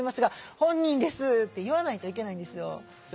「本人です」って言わないといけないんですよ。